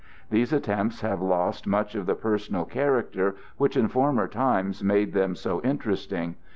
These attempts have lost much of the personal character which in former times made them so interesting.